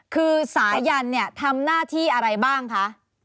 คือสายันเนี่ยทำหน้าที่อะไรบ้างคะ